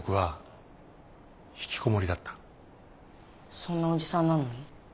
そんなおじさんなのに？